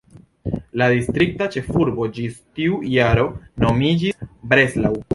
La distrikta ĉefurbo ĝis tiu jaro nomiĝis "Breslau".